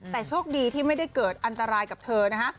แต่โชคดีที่ไม่ได้เกิดอันตรายกับเธอนะฮะ